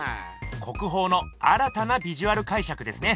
国宝の新たなビジュアルかいしゃくですね。